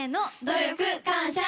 ・努力感謝